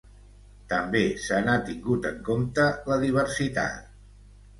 També se n’ha tingut en compte la diversitat.